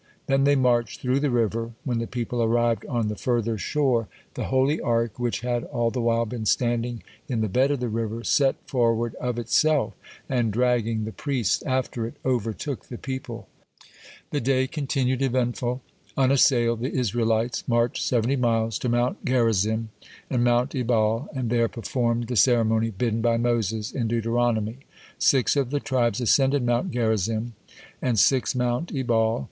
Then they marched through the river. When the people arrived on the further shore, the holy Ark, which had all the while been standing in the bed of the river, set forward of itself, and, dragging the priests after it, overtook the people. The day continued eventful. Unassailed, the Israelites marched seventy miles to Mount Gerizim and Mount Ebal, and there performed the ceremony bidden by Moses in Deuteronomy: six of the tribes ascended Mount Gerizim, and six Mount Ebal.